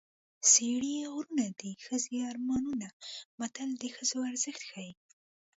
سړي غرونه دي ښځې اړمونه متل د ښځو ارزښت ښيي